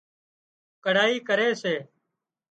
ڪڙهائي ڪري سي